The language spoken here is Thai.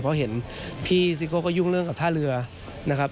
เพราะเห็นพี่ซิโก้ก็ยุ่งเรื่องกับท่าเรือนะครับ